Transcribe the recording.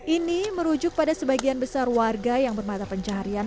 ini merujuk pada sebagian besar warga yang bermata pencaharian